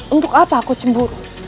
untuk apa aku cemburu